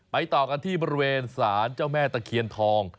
ต่อกันที่บริเวณศาลเจ้าแม่ตะเคียนทอง